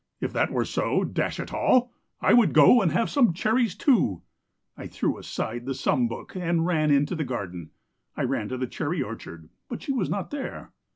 If that were so, dash it all, I would go and have some cherries too. I threw aside the sum book and ran into the garden. I ran to the cherry orchard, but she was not there.